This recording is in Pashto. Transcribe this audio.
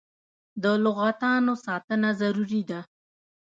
د لغتانو ساتنه ضروري ده.